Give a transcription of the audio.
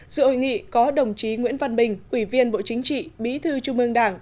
dự hội nghị có đồng chí nguyễn văn bình quỷ viên bộ chính trị bí thư trung ương đảng